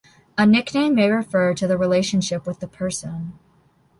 A nickname may refer to the relationship with the person.